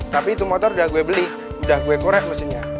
tapi itu motor udah gue beli udah gue korek mesinnya